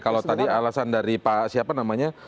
kalau tadi alasan dari pak siapa namanya